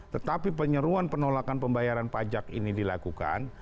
tetapi penyeruan penolakan pembayaran pajak ini dilakukan